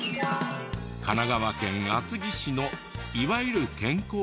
神奈川県厚木市のいわゆる健康ランド。